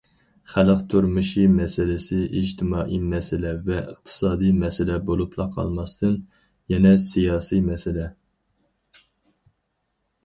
خەلق تۇرمۇشى مەسىلىسى ئىجتىمائىي مەسىلە ۋە ئىقتىسادىي مەسىلە بولۇپلا قالماستىن، يەنە سىياسىي مەسىلە.